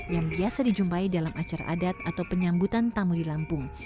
yang biasa dijumpai dalam acara adat atau penyambutan tamu di lampung